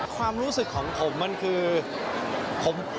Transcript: ความรู้สึกของผมมันคือ